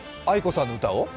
ａｉｋｏさんの歌を？